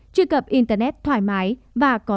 truy cập internet thoải mái và có